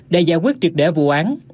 để giải quyết triệt đẻ vụ án